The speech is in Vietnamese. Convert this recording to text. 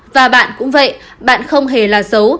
và bạn cũng vậy bạn không hề là xấu